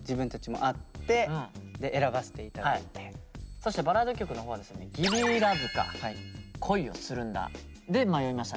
そしてバラード曲のほうはですね「ＧｉｖｅＭｅＬｏｖｅ」か「恋をするんだ」で迷いました